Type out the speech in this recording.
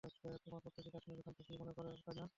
তোমরা প্রত্যেক কাশ্মিরীকে সন্ত্রাসী মনে করো, তাই না?